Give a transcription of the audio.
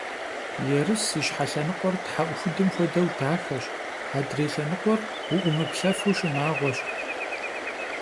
Ерыс и зы щхьэ лъэныкъуэр тхьэӏухудым хуэдэу дахэщ, адрей лъэныкъуэр уӏумыплъэфу шынагъуащ.